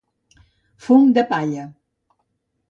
Fum de palla.